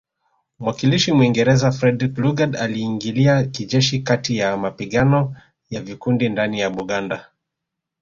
Mwakilishi Mwingereza Frederick Lugard aliingilia kijeshi kati ya mapigano ya vikundi ndani ya Buganda